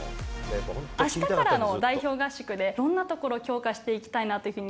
あしたからの代表合宿で、どんなところを強化していきたいなというふうに。